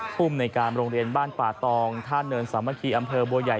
ภูมิในการโรงเรียนบ้านป่าตองท่าเนินสามัคคีอำเภอบัวใหญ่